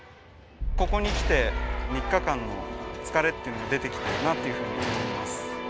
ここにきて３日間の疲れっていうのが出てきてるなっていうふうに思います。